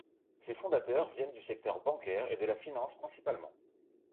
Ces fondateurs viennent du secteur bancaire et de la finance principalement.